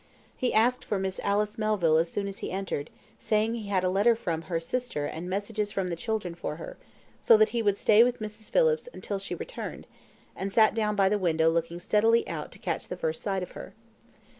He asked for Miss Alice Melville as soon as he entered, saying he had a letter from her sister and messages from the children for her, so that he would stay with Mrs. Phillips till she returned, and sat down before the window looking steadily out to catch the first sight of her.